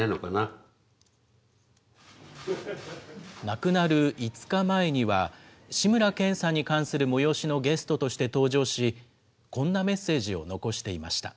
亡くなる５日前には、志村けんさんに関する催しのゲストとして登場し、こんなメッセージを残していました。